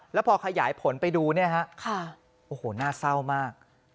แล้วพอขยายผลไปดูเนี่ยฮะโอ้โหน่าเศร้ามาก